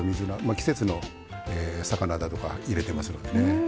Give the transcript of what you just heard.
季節の魚だとか入れてますのでね。